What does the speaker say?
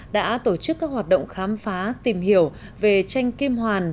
đã tổ chức các hoạt động khám phá tìm hiểu về tranh kim hoàn